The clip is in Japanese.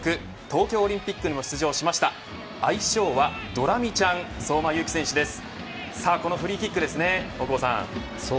東京オリンピックにも出場しました愛称はドラミちゃん相馬勇紀選手です。